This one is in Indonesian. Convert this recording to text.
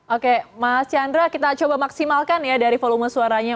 oke mas chandra kita coba maksimalkan ya dari volume suaranya